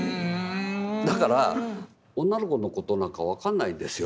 だから女の子の事なんか分かんないんですよ。